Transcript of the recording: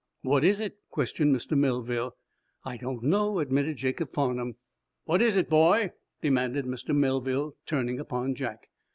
"What is it?" questioned Mr. Melville. "I don't know," admitted Jacob Farnum. "What is it, boy?" demanded Mr. Melville, turning upon Jack.